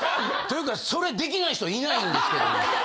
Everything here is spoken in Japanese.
というかそれできない人いないんですけど。